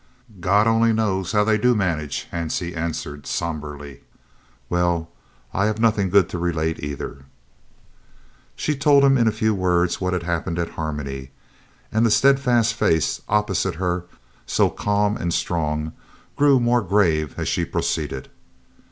"God only knows how they do manage," Hansie answered sombrely. "Well, I have nothing good to relate either." She told him in a few words what had happened at Harmony, and the steadfast face opposite her, so calm and strong, grew more grave as she proceeded.